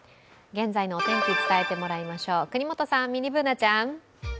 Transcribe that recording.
現在のお天気伝えてもらいましょう、國本さん、ミニＢｏｏｎａちゃん。